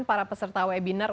para peserta webinar